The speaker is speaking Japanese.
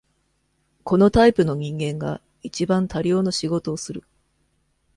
このタイプの人間が、一番多量の仕事をする。